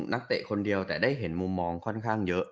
เตะคนเดียวแต่ได้เห็นมุมมองค่อนข้างเยอะ